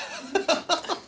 ハハハハ！